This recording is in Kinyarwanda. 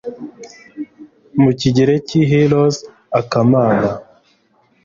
mu kigereki, hērōs = akamana